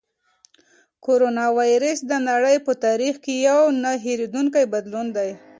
کرونا وېروس د نړۍ په تاریخ کې یو نه هېرېدونکی بدلون دی.